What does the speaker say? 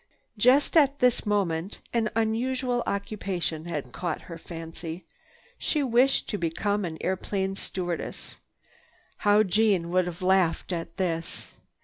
Just at this moment an unusual occupation had caught her fancy; she wished to become an airplane stewardess. How Jeanne would have laughed at this.